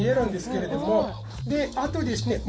であとですね